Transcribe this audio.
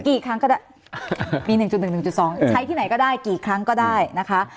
กี่ครั้งก็ได้มี๑๑๑๒ใช้ที่ไหนก็ได้กี่ครั้งก็ได้นะคะ